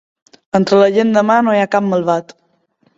Entre la gent de mar no hi ha cap malvat.